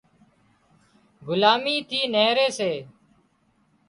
غلامي ٿِي نيهري سي